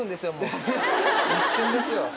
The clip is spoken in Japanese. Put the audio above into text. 一瞬ですよ。